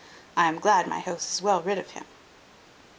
I am glad my house is well rid of him."